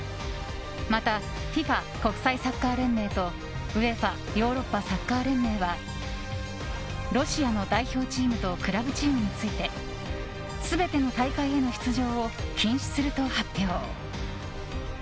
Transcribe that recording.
また、ＦＩＦＡ・国際サッカー連盟とＵＥＦＡ・ヨーロッパサッカー連盟はロシアの代表チームとクラブチームについて全ての大会への出場を禁止すると発表。